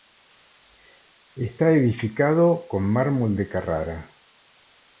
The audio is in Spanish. Está edificado con mármol de Carrara.